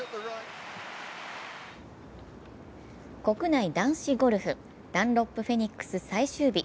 国内男子ゴルフ、ダンロップフェニックス最終日。